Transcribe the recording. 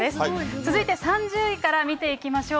続いて３０位から見ていきましょう。